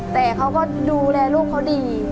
แต่เขาก็ดูแลลูกเขาดี